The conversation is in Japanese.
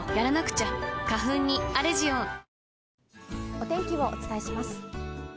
お天気をお伝えします。